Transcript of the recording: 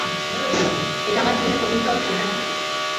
এটা আমার জীবনের কঠিনতম সিদ্ধান্ত ছিল।